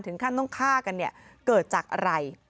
ถึงการต้องฆ่ากันเกิดจากอะไร